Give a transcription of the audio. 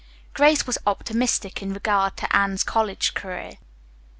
Grace was optimistic in regard to Anne's college career.